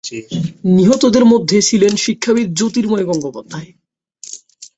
নিহতদের মধ্যে ছিলেন শিক্ষাবিদ জ্যোতির্ময় গঙ্গোপাধ্যায়।